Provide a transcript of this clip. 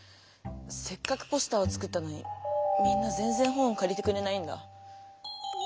せっかくポスターを作ったのにみんなぜんぜん本をかりてくれないんだ。